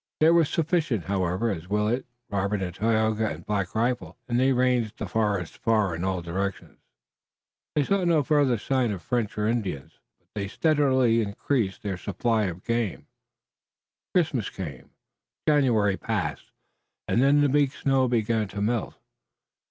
There were sufficient, however, as Willet, Robert, Tayoga and Black Rifle were already adepts, and they ranged the forest far in all directions. They saw no further sign of French or Indians, but they steadily increased their supply of game. Christmas came, January passed and then the big snow began to melt.